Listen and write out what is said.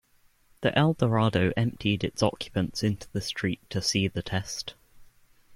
The Eldorado emptied its occupants into the street to see the test.